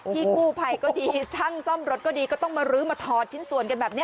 พี่กู้ภัยก็ดีช่างซ่อมรถก็ดีก็ต้องมารื้อมาถอดชิ้นส่วนกันแบบนี้